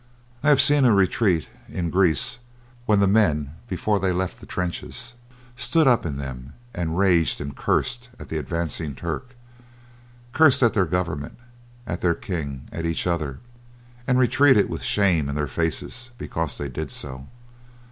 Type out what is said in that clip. I have seen a retreat in Greece when the men, before they left the trenches, stood up in them and raged and cursed at the advancing Turk, cursed at their government, at their king, at each other, and retreated with shame in their faces because they did so.